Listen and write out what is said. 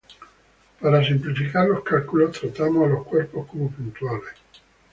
Para simplificar los cálculos, tratamos a los cuerpos como puntuales.